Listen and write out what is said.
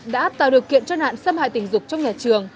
đã tạo điều kiện cho nạn xâm hại tình dục trong nhà trường